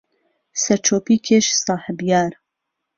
سەر چۆپی کێش ساحب یار